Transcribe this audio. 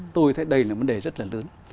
tôi thấy đây là vấn đề rất là lớn